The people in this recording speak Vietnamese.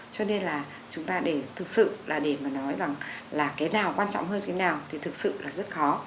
cho nên là chúng ta để thực sự là để mà nói rằng là cái nào quan trọng hơn thế nào thì thực sự là rất khó